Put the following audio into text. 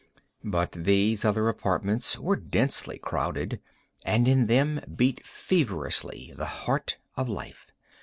But these other apartments were densely crowded, and in them beat feverishly the heart of life.